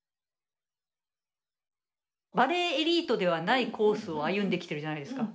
バレーエリートではないコースを歩んできてるじゃないですか。